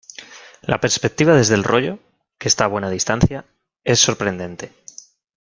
La perspectiva desde el rollo, que está a buena distancia, es sorprendente.